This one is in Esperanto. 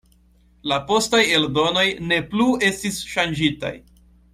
La postaj eldonoj ne plu estis ŝanĝitaj.